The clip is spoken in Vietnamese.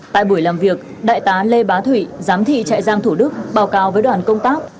tại buổi làm việc đại tá lê bá thụy giám thị trại giam thủ đức báo cáo với đoàn công tác